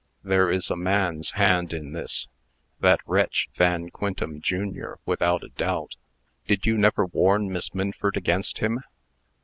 There is a man's hand in this. That wretch, Van Quintem, jr., without a doubt. Did you never warn Miss Minford against him?"